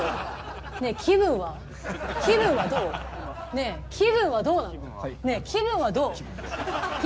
ねえ気分はどうなの？